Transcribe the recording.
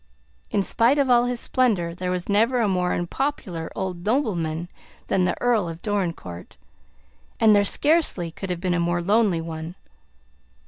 In spite of all his splendor, there was never a more unpopular old nobleman than the Earl of Dorincourt, and there could scarcely have been a more lonely one.